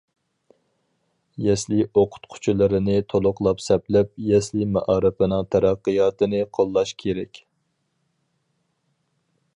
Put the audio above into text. يەسلى ئوقۇتقۇچىلىرىنى تولۇقلاپ سەپلەپ، يەسلى مائارىپىنىڭ تەرەققىياتىنى قوللاش كېرەك.